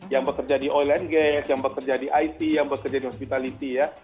yang bekerja di oil and gas yang bekerja di it yang bekerja di hospitality ya